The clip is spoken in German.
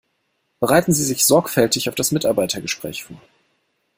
Bereiten Sie sich sorgfältig auf das Mitarbeitergespräch vor!